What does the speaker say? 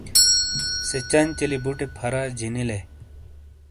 سے چنچیلی بُٹے پھَرا جینیلے۔